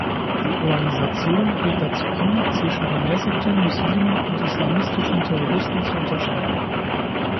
Die Organisation regt dazu an, zwischen gemäßigten Muslimen und islamistischen Terroristen zu unterscheiden.